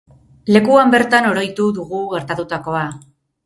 Lekuan bertan oroitu dugu gertatutakoa.